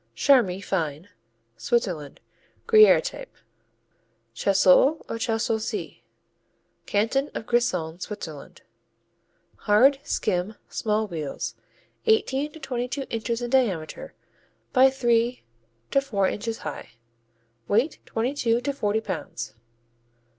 Charmey Fine Switzerland Gruyère type. Chaschol, or Chaschosis Canton of Grisons, Switzerland Hard; skim; small wheels, eighteen to twenty two inches in diameter by three to four inches high, weight twenty two to forty pounds.